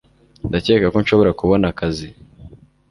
Ndakeka ko nshobora kubona akazi